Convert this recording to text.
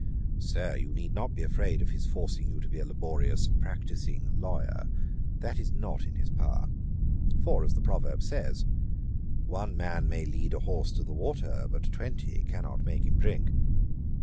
'Sir, you need not be afraid of his forcing you to be a laborious practising lawyer; that is not in his power. For as the proverb says, "One man may lead a horse to the water, but twenty cannot make him drink."